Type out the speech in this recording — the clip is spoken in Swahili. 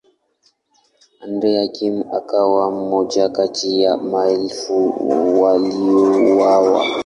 Andrea Kim akawa mmoja kati ya maelfu waliouawa.